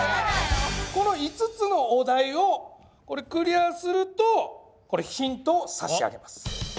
この５つのお題をこれクリアするとヒントを差し上げます。